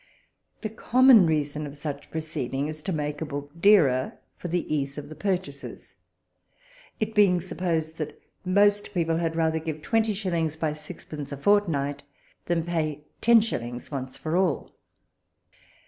The common reason of such proceeding is to make a book dearer for the ease of the purchasers, it being supposed that most people had rather give twenty shillings by sixpence a fortnight, than pay ten shillings once for all.